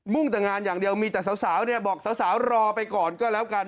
่งแต่งานอย่างเดียวมีแต่สาวเนี่ยบอกสาวรอไปก่อนก็แล้วกัน